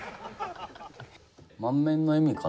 満面の笑みかな